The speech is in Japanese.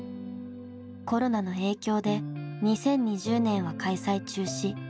コロナの影響で２０２０年は開催中止。